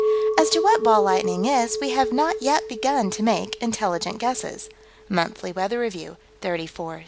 "As to what ball lightning is, we have not yet begun to make intelligent guesses." (Monthly Weather Review, 34 17.)